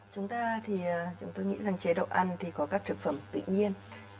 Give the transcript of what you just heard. chúng ta thì chúng tôi nghĩ rằng chế độ ăn thì có các thực phẩm tự nhiên